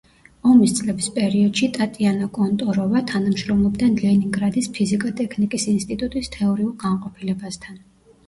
ომის წლების პერიოდში ტატიანა კონტოროვა თანამშრომლობდა ლენინგრადის ფიზიკა-ტექნიკის ინსტიტუტის თეორიულ განყოფილებასთან.